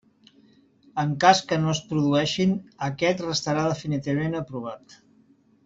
En cas que no es produeixin, aquest restarà definitivament aprovat.